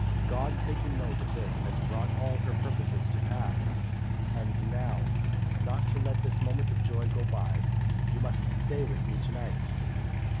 God taking note of this has brought all her purposes to pass. And now, not to let this moment of joy go by, you must stay with me to night.'